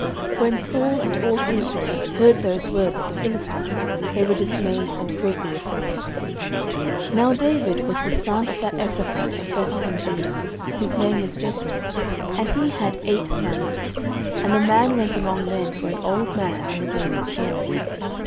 09:017:011 When Saul and all Israel heard those words of the Philistine, they were dismayed, and greatly afraid. 09:017:012 Now David was the son of that Ephrathite of Bethlehemjudah, whose name was Jesse; and he had eight sons: and the man went among men for an old man in the days of Saul.